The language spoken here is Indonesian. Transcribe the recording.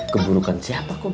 keburukan siapa kum